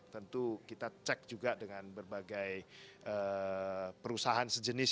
tentu kita cek juga dengan berbagai perusahaan sejenis